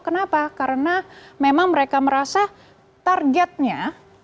kenapa karena memang mereka merasa targetnya